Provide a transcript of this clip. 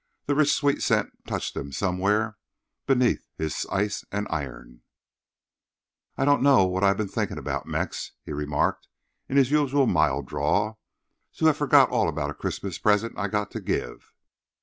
The rich, sweet scent touched him somewhere beneath his ice and iron. "I don't know what I've been thinking about, Mex," he remarked in his usual mild drawl, "to have forgot all about a Christmas present I got to give.